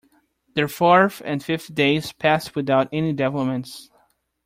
The fourth and fifth days passed without any developments.